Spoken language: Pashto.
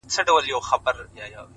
مه کوه گمان د ليوني گلي ؛